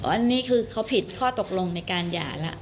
อันนี้คือเขาผิดข้อตกลงในการหย่าแล้ว